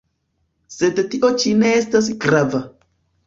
Sed tio ĉi ne estas grava.